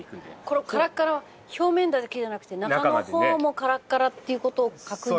このカラッカラは表面だけじゃなくて中の方もカラッカラっていう事を確認して。